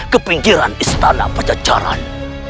kepinggiran istana pajajaran